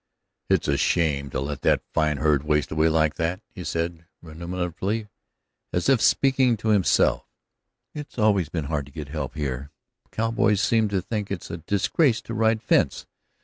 "It's a shame to let that fine herd waste away like that," he said, ruminatively, as if speaking to himself. "It's always been hard to get help here; cowboys seem to think it's a disgrace to ride fence.